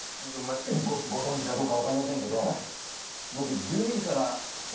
ご存じかどうか分かりませんけど僕。